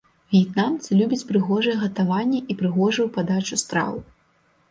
В'етнамцы любяць прыгожае гатаванне і прыгожую падачу страў.